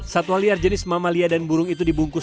satwa liar jenis mamalia dan burung itu dibungkus